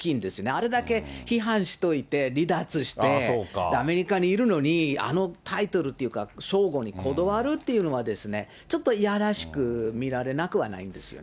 あれだけ批判しといて、離脱して、アメリカにいるのに、あのタイトルっていうか、称号にこだわるっていうのはですね、ちょっといやらしく見られなくはないんですよね。